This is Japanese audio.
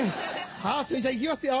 さぁそれじゃ行きますよ。